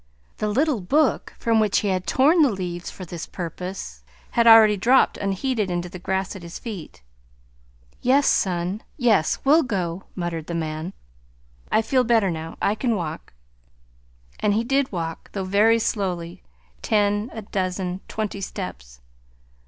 The little book, from which he had torn the leaves for this purpose, had already dropped unheeded into the grass at his feet. "Yes, son, yes, we'll go," muttered the man. "I feel better now. I can walk." And he did walk, though very slowly, ten, a dozen, twenty steps.